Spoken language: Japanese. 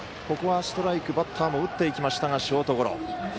ここはストライクバッターも打っていきましたがショートゴロ。